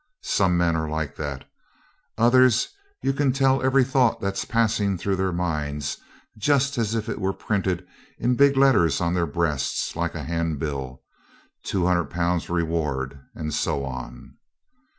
Some men are like that. Others you can tell every thought that's passing through their minds just as if it was printed in big letters on their breasts, like a handbill: '200 Pounds reward,' and so on.